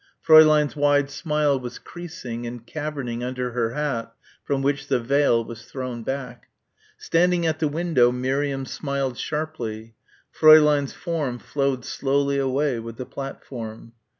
Fräulein's wide smile was creasing and caverning under her hat from which the veil was thrown back. Standing at the window Miriam smiled sharply. Fräulein's form flowed slowly away with the platform.